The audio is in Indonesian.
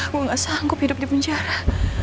saya tidak sanggup hidup di penjara